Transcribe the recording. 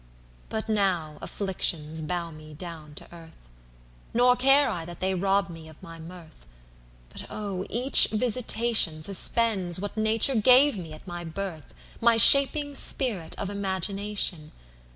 But now afflictions bow me down to earth:Nor care I that they rob me of my mirth; But oh! each visitationSuspends what nature gave me at my birth, My shaping spirit of Imagination.